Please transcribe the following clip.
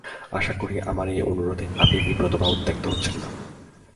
আশা করি, আমার এই অনুরোধে আপনি বিব্রত বা উত্ত্যক্ত হচ্ছেন না।